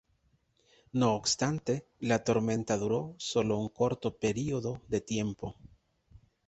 No obstante, la tormenta duró sólo un corto período de tiempo.